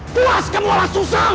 buas kamu walang susang